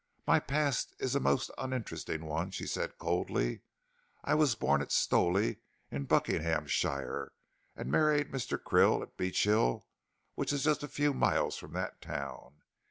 "My past is a most uninteresting one," she said, coldly. "I was born at Stowley, in Buckinghamshire, and married Mr. Krill at Beechill, which is a few miles from that town.